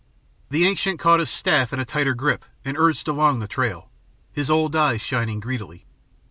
The ancient caught his staff in a tighter grip and urged along the trail, his old eyes shining greedily.